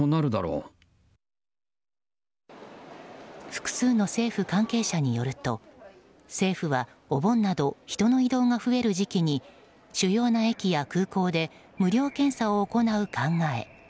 複数の政府関係者によると政府は、お盆など人の移動が増える時期に主要な駅や空港で無料検査を行う考え。